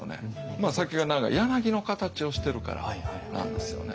まあ先が長い柳の形をしてるからなんですよね。